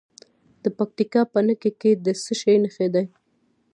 د پکتیکا په نکې کې د څه شي نښې دي؟